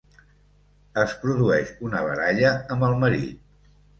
Es produeix una baralla amb el marit.